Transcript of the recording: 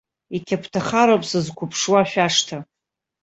Иқьаԥҭахароуп сызқәыԥшуа шәашҭа!